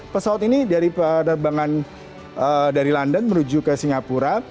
pesawat ini dari penerbangan dari london menuju ke singapura